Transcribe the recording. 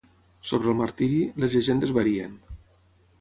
Sobre el martiri, les llegendes varien.